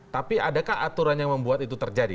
tapi adakah aturan yang membuat itu terjadi